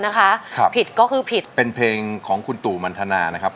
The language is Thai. นะคะครับผิดก็คือผิดเป็นเพลงของคุณตู่มันทนานะครับ